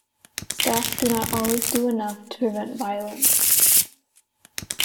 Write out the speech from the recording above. Staff do not always do enough to prevent violence.